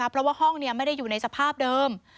เพราะว่าห้องไม่ได้อยู่ในสภาพเดิม